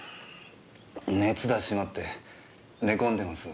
熱出しちまって寝込んでます。